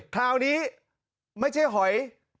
คราวนี้ไม่ใช่หอย